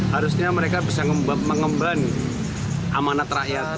harusnya mereka bisa mengemban amanat rakyat